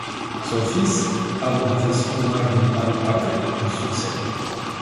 Son fils Abû Hafs `Umar ben Abî Bakr lui succède.